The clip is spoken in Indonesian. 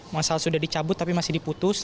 masal sudah dicabut tapi masih diputus